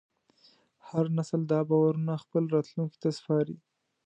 هر نسل دا باورونه خپلو راتلونکو ته سپاري.